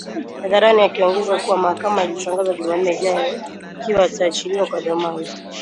hadharani akiongeza kuwa mahakama itatangaza Jumanne ijayo ikiwa ataachiliwa kwa dhamana